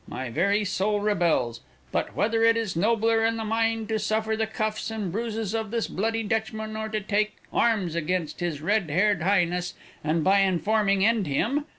My very soul rebels. But whether it is nobler in the mind to suffer the cuffs and bruises of this bloody Dutchman or to take arms against his red haired highness, and by informing end him?